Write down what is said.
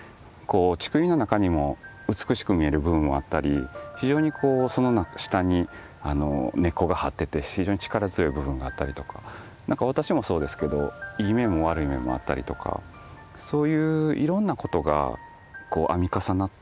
竹林の中にも美しく見える部分もあったり非常にこうその下に根っこが張ってて非常に力強い部分があったりとか私もそうですけどいい面も悪い面もあったりとかそういういろんなことが編み重なっ